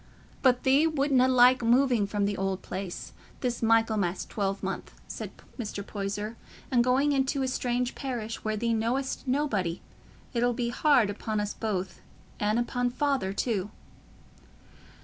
"But thee wutna like moving from th' old place, this Michaelmas twelvemonth," said Mr. Poyser, "and going into a strange parish, where thee know'st nobody. It'll be hard upon us both, and upo' Father too."